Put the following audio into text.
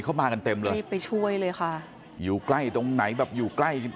มากันเต็มเลยรีบไปช่วยเลยค่ะอยู่ใกล้ตรงไหนแบบอยู่ใกล้